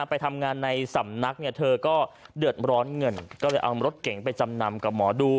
ไปทำงานในสำนักเนี่ยเธอก็เดือดร้อนเงินก็เลยเอารถเก๋งไปจำนำกับหมอดู